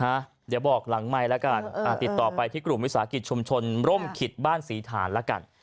เดี๋ยวบอกหลังไมค์แล้วกันติดต่อไปที่กลุ่มวิสาหกิจชุมชนร่มขิตบ้านศรีฐานละกัน